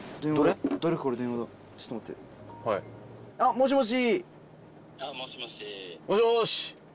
もしもし！